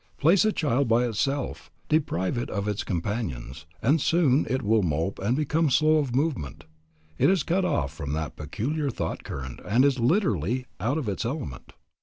Place a child by itself, deprive it of its companions, and soon it will mope and become slow of movement. It is cut off from that peculiar thought current and is literally 'out of its element.'